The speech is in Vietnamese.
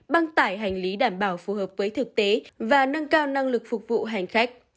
băng tải hành lý đảm bảo phù hợp với thực tế và nâng cao năng lực phục vụ hành khách